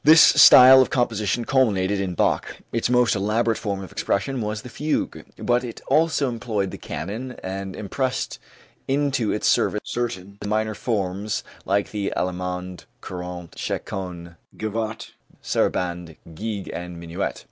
This style of composition culminated in Bach. Its most elaborate form of expression was the fugue; but it also employed the canon and impressed into its service certain minor forms like the allemande, courant, chaçonne, gavotte, saraband, gigue, and minuet.